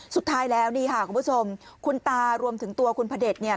สุดท้ายแล้วนี่ค่ะคุณผู้ชมคุณตารวมถึงตัวคุณพระเด็จเนี่ย